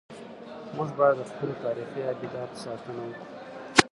موږ باید د خپلو تاریخي ابداتو ساتنه وکړو.